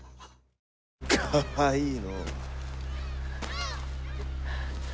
かわいいのう。